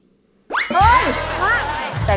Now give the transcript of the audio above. เฮ่ยมาก